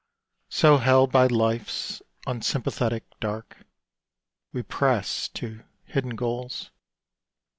So held by Life's unsympathetic dark, We press to hidden goals.